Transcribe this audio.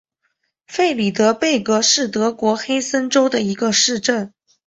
弗里德贝格是德国黑森州的一个市镇。